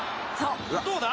どうだ？